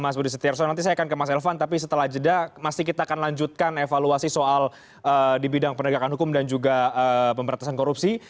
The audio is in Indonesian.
mas budi setiarso nanti saya akan ke mas elvan tapi setelah jeda masih kita akan lanjutkan evaluasi soal di bidang penegakan hukum dan juga pemberantasan korupsi